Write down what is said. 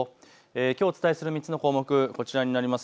きょうお伝えする３つの項目、こちらです。